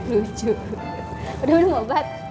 lucu udah minum obat